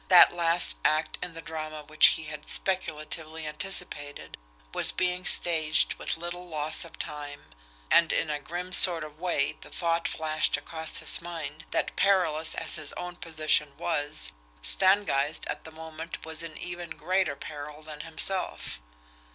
That last act in the drama which he had speculatively anticipated was being staged with little loss of time and in a grim sort of way the thought flashed across his mind that, perilous as his own position was, Stangeist at that moment was in even greater peril than himself.